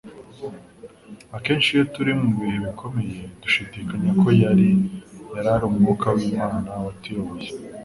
Akenshi iyo turi mu bihe bikomeye, dushidikanya ko yari ari umwuka w’Imana watuyoboye.